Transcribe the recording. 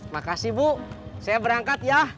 makasih bu saya berangkat ya